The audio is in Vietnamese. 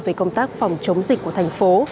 về công tác phòng chống dịch của thành phố